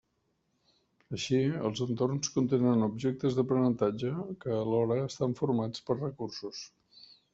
Així, els entorns contenen objectes d'aprenentatge que alhora estan formats per recursos.